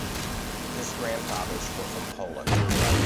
His grandfathers were from Poland.